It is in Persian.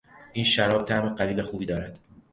این شراب طعم قوی و خوبی دارد.